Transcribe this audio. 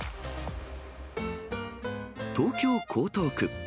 東京・江東区。